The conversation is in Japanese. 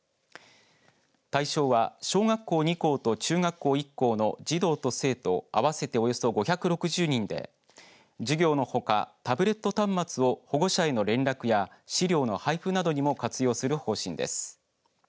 対象は小学校２校と中学校１校の児童と生徒合わせておよそ５６０人で授業のほか、タブレット端末を保護者への連絡や資料の配布などにも活用する方針です。